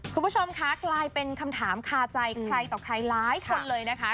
คุณผู้ชมคะกลายเป็นคำถามคาใจใครต่อใครหลายคนเลยนะคะ